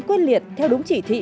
quyết liệt theo đúng chỉ thị